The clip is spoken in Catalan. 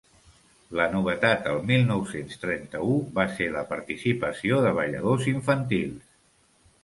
La novetat el mil nou-cents trenta-u va ser la participació de balladors infantils.